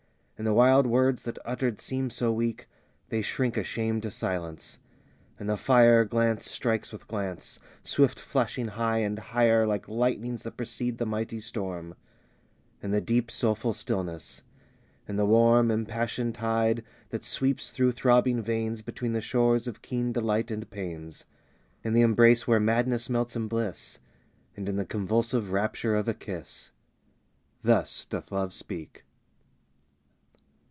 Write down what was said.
In the wild words that uttered seem so weak They shrink ashamed to silence; in the fire Glance strikes with glance, swift flashing high and higher Like lightnings that precede the mighty storm; In the deep, soulful stillness; in the warm, Impassioned tide that sweeps through throbbing veins Between the shores of keen delight and pains; In the embrace where madness melts in bliss, And in the convulsive rapture of a kiss Thus doth Love speak.